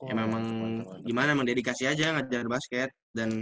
emang gimana emang dedikasi aja ngajar basket dan